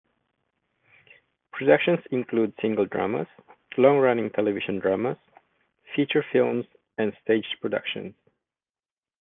Productions include single dramas, long-running television dramas, feature films, and stage productions.